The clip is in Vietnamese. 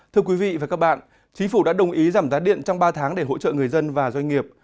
thưa quý vị và các bạn chính phủ đã đồng ý giảm giá điện trong ba tháng để hỗ trợ người dân và doanh nghiệp